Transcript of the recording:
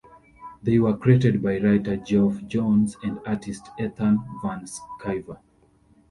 They were created by writer Geoff Johns and artist Ethan Van Sciver.